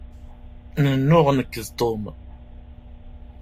Nennuɣ nekk d Tom.